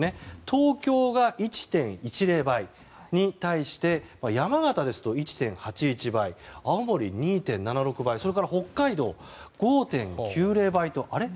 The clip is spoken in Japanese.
東京が１．１０倍に対して山形ですと、１．８１倍青森、２．７６倍北海道、５．９０倍とあれ？